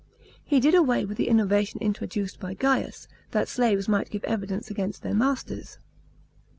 He did away with the innovation introduced by (Saius, that slaves might give evidence against their masters.